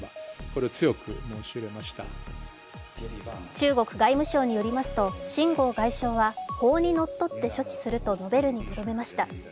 中国外務省によりますと秦剛外相は、法にのっとって処置すると述べるにとどめました。